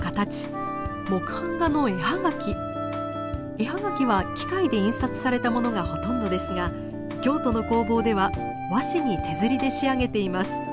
絵はがきは機械で印刷された物がほとんどですが京都の工房では和紙に手摺りで仕上げています。